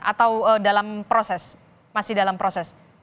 atau dalam proses masih dalam proses